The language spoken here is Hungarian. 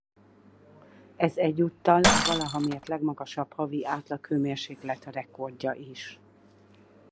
Ez egyúttal a valaha mért legmagasabb havi átlaghőmérséklet rekordja is.